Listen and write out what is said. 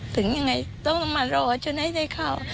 ถึงยังไงต้องมารอจนให้ได้เข้า